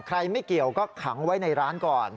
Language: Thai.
ไม่เกี่ยวก็ขังไว้ในร้านก่อน